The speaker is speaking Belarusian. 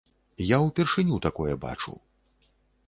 Я ўпершыню такое бачу.